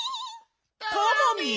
タマミー！